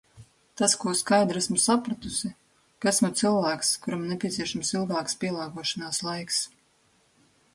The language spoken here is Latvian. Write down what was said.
Tas, ko es skaidri esmu sapratusi, ka esmu cilvēks, kuram nepieciešams ilgāks pielāgošanās laiks.